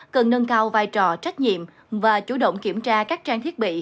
cần nâng cao vai trò trách nhiệm và chủ động kiểm tra các trang thiết bị